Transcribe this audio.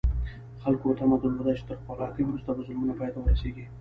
خلکو تمه درلوده چې تر خپلواکۍ وروسته به ظلمونه پای ته ورسېږي.